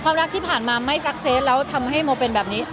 รักที่ผ่านมาไม่ซักเซตแล้วทำให้โมเป็นแบบนี้